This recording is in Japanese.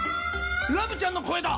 ラムちゃんの声だ！